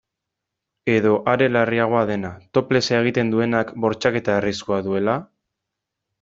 Edo are larriagoa dena, toplessa egiten duenak bortxaketa arriskua duela?